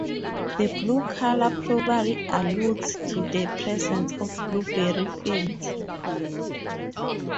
The blue color probably alludes to the presence of blueberry fields.